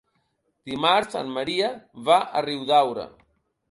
Dimarts en Maria va a Riudaura.